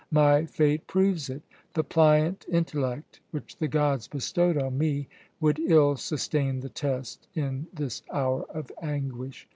My fate proves it. The pliant intellect which the gods bestowed on me would ill sustain the test in this hour of anguish.